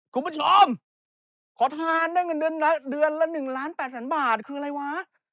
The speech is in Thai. คุณผู้ชมขอทานได้เงินเดือนละ๑๘๐๐๐๐๐บาทคืออะไรวะ